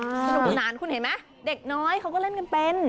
สนุกสนานคุณเห็นไหมเด็กน้อยเขาก็เล่นกันเป็น